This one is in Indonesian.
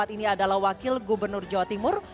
ini adalah wakil gubernur jawa timur